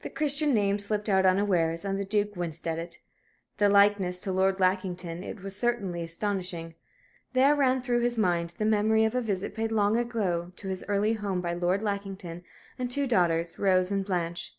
The Christian name slipped out unawares, and the Duke winced at it. The likeness to Lord Lackington it was certainly astonishing. There ran through his mind the memory of a visit paid long ago to his early home by Lord Lackington and two daughters, Rose and Blanche.